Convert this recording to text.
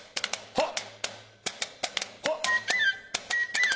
はっ。